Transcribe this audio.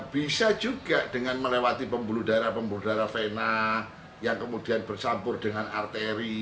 bisa juga dengan melewati pembuluh darah pembuluh darah vena yang kemudian bersampur dengan arteri